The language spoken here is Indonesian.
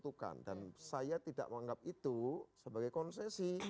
itu adalah celetukan dan saya tidak menganggap itu sebagai konsesi